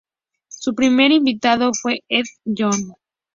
Su primer invitado fue Elton John.